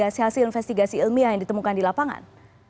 nah bagaimana sih investigasi ilmiah yang ditemukan di lapangan